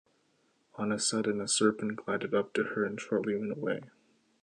On a sudden a serpent glided up to her and shortly went away.